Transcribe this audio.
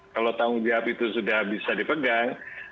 kalau tanggung jawab itu sudah bisa dipegang